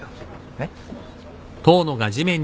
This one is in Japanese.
えっ？